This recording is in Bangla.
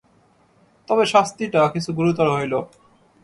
তবে শাস্তিটা কিছু গুরুতর হইল।